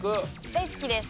大好きです。